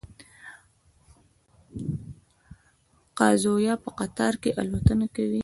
قازونه په قطار کې الوتنه کوي